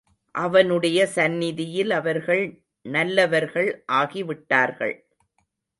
அவனுடைய சந்நிதியில் அவர்கள் நல்லவர்கள் ஆகிவிட்டார்கள்.